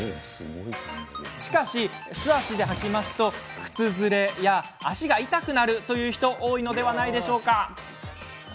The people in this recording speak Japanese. しかし素足で履くと靴ずれや、足が痛くなるという人多いのではないでしょうか。